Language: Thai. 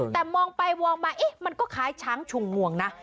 แต่มองไปมองมามันก็คล้ายช้างชุงงวงนะ